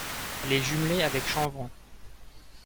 Elle est jumelée avec Champvans.